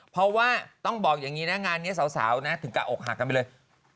เพราะว่าต้องบอกอย่างนี้นะงานนี้สาวนะถึงกระอกหักกันไปเลย